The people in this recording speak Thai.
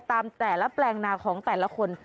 ตามแต่ละแปลงนาของแต่ละคน